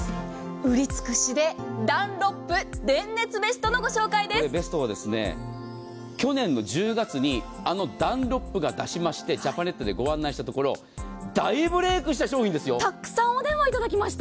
売り尽くしでダンロップベストは去年の１０月にあのダンロップが出しましてジャパネットでご案内したところ沢山お電話いただきました。